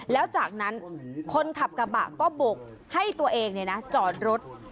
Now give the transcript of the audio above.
แล้วจากนั้นคนขับกระบะก็บกให้ตัวเองจอดรถ